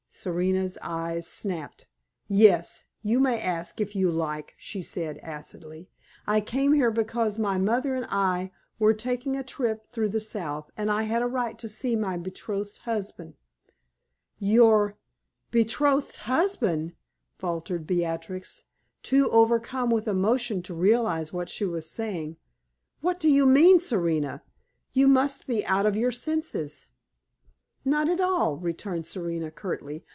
Serena's eyes snapped. "Yes; you may ask, if you like," she said, acidly. "I came here because my mother and I were taking a trip through the South, and I had a right to see my betrothed husband." "Your betrothed husband?" faltered Beatrix, too overcome with emotion to realize what she was saying. "What do you mean, Serena? You must be out of your senses!" "Not at all!" returned Serena, curtly.